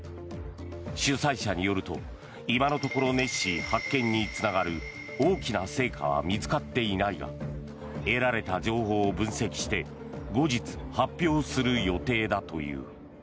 主催者によると、今のところネッシー発見につながる大きな成果は見つかっていないが得られた情報を分析して後日、発表する予定だという。